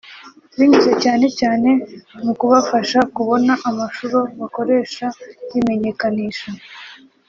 binyuze cyane cyane mu kubafasha kubona amashuro bakoresha bimenyekanisha